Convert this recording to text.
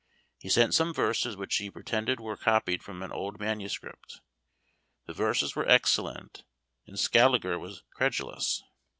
He sent some verses which he pretended were copied from an old manuscript. The verses were excellent, and Scaliger was credulous.